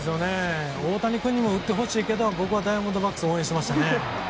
大谷君にも打ってほしいけどここはダイヤモンドバックスを応援しましたね。